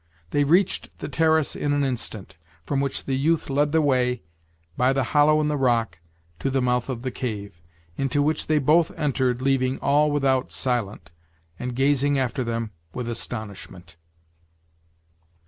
They reached the terrace in an instant, from which the youth led the way, by the hollow in the rock, to the mouth of the cave, into which they both entered, leaving all without silent, and gazing after them with astonishment.